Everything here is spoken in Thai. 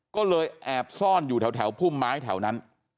ก็เลยแอบซ่อนอยู่แถวพุ่มไม้แถวนั้น